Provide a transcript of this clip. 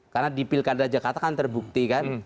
karena di pilkada jakarta kan terbukti kan